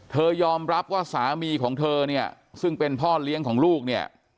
ยอมรับว่าสามีของเธอเนี่ยซึ่งเป็นพ่อเลี้ยงของลูกเนี่ย